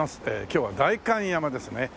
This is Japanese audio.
今日は代官山ですね。